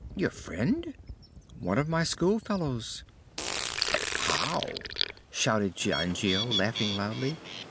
"Your friend?" "One of my school fellows!" "How?" shouted Giangio, laughing loudly.